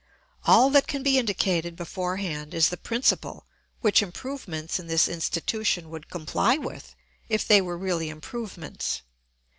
All that can be indicated beforehand is the principle which improvements in this institution would comply with if they were really improvements.